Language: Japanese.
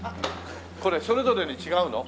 これそれぞれに違うの？